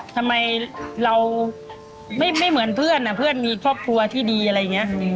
ทำไมเราไม่เหมือนเพื่อนเพื่อนมีครอบครัวที่ดีอะไรอย่างนี้